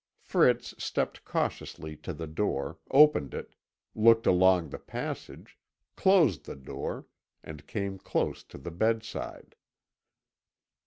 Fritz stepped cautiously to the door, opened it, looked along the passage, closed the door, and came close to the bedside.